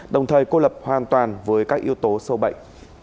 đồng thời cô lập hoàn toàn với các yếu tố sâu bệnh